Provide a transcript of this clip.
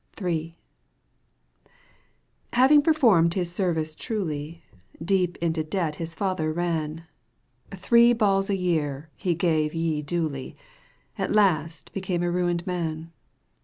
^ III. Having performed his service truly. Deep into debt his father ran ; Three balls a year he gave ye duly, At last became a ruined man.